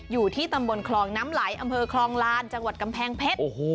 อยู่ที่ตำบลคลองน้ำไหลอำเภอคลองลานจังหวัดกำแพงเพชร